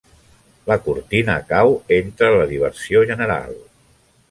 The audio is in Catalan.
La cortina cau entre la diversió general.